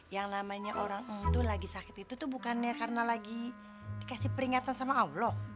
yang namanya orang itu lagi sakit itu tuh bukannya karena lagi dikasih peringatan sama allah